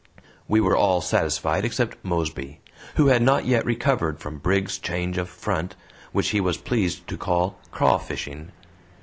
We were all satisfied except Mosby, who had not yet recovered from Briggs's change of front, which he was pleased to call "craw fishing."